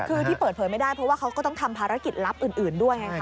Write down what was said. คือที่เปิดเผยไม่ได้เพราะว่าเขาก็ต้องทำภารกิจลับอื่นด้วยไงคะ